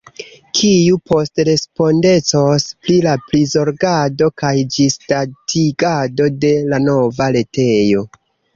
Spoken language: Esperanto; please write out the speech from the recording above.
Kiu poste respondecos pri la prizorgado kaj ĝisdatigado de la nova retejo?